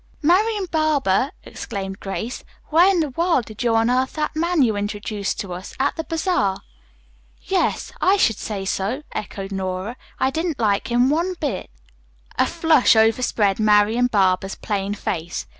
"Marian Barber!" exclaimed Grace. "Where in the world did you unearth that man you introduced us to, at the bazaar?" "Yes, I should say so," echoed Nora. "I didn't like him one bit." A flush overspread Marian Barber's plain face.